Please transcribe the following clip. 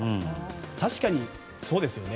確かにそうですよね。